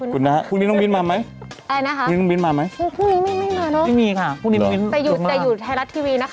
ขอบคุณค่ะแล้วก็ขอบคุณ